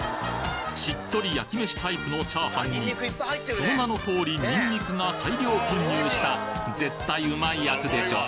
しっとり焼き飯タイプのチャーハンにその名の通りニンニクが大量混入した絶対うまいやつでしょ